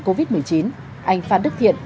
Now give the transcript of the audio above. covid một mươi chín anh phan đức thiện